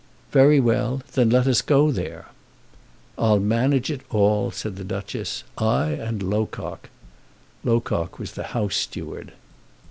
"Very well. Then let us go there." "I'll manage it all," said the Duchess, "I and Locock." Locock was the house steward.